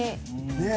ねえ。